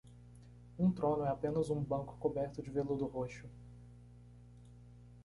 Um trono é apenas um banco coberto de veludo roxo.